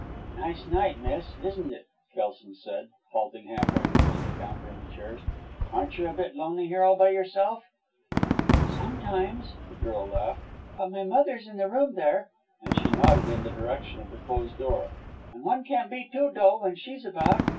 "Nice night, miss, isn't it?" Kelson said, halting half way between the counter and the chairs. "Aren't you a bit lonely here all by yourself?" "Sometimes," the girl laughed. "But my mother's in the room there," and she nodded in the direction of the closed door. "And one can't be dull when she's about.